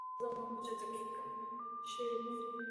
ایا وزن مو په چټکۍ کم شوی دی؟